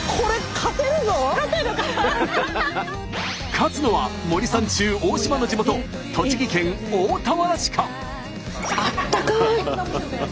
勝つのは森三中大島の地元栃木県大田原市か？